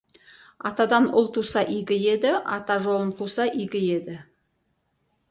Атадан ұл туса игі еді, ата жолын қуса игі еді.